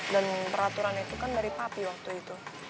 dan peraturan itu kan dari papi waktu itu